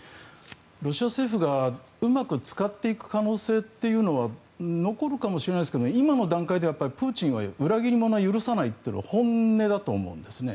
ロシア政府がうまく使っていく可能性というのは残るかもしれないですが今の段階でプーチンは裏切り者は許さないというのは本音だと思うんですね。